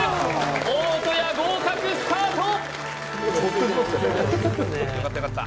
大戸屋合格スタート！